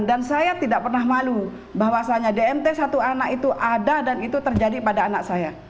dan saya tidak pernah malu bahwasannya dmt satu itu ada dan itu terjadi pada anak saya